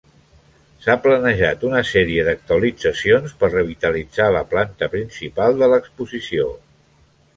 S"ha planejat una sèrie d'actualitzacions per revitalitzar la planta principal de l'exposició.